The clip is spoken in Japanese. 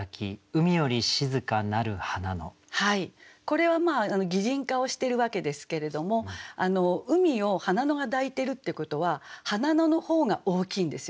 これは擬人化をしてるわけですけれども湖を花野が抱いてるっていうことは花野の方が大きいんですよね。